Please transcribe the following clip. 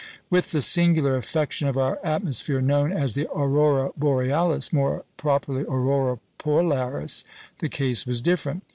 With the singular affection of our atmosphere known as the Aurora Borealis (more properly Aurora Polaris) the case was different.